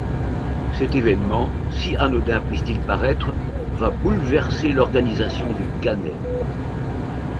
Cet événement, si anodin puisse-t-il paraître, va bouleverser l'organisation du Cannet.